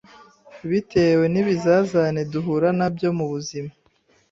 bitewe n’ibizazane duhura nabyo mu buzima